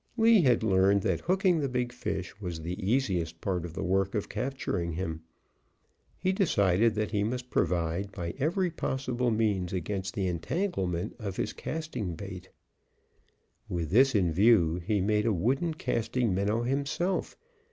Lee had learned that hooking the big fish was the easiest part of the work of capturing him. He decided that he must provide by every possible means against the entanglement of his casting bait. With this in view, he made a wooden casting minnow himself.